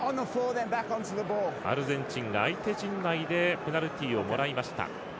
アルゼンチンが相手陣内でペナルティをもらいました。